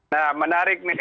nah menarik nih